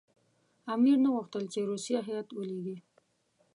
امیر نه غوښتل چې روسیه هېئت ولېږي.